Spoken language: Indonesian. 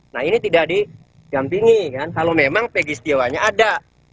nah ini tidak didampingi kalau memang peristiwanya ada